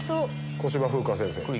小芝風花先生。